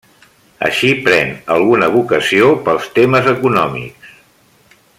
Així pren alguna vocació pels temes econòmics.